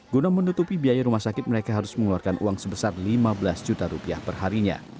guna menutupi biaya rumah sakit mereka harus mengeluarkan uang sebesar lima belas juta rupiah perharinya